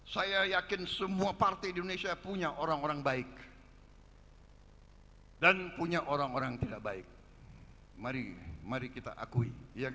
saya yakin semua partai di indonesia punya orang orang baik dan punya orang orang tidak baik mari kita akui